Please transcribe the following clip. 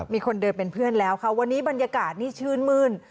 มีคนเดินเป็นเพื่อนแล้วค่ะวันนี้บรรยากาศนี่ชื่นมื้น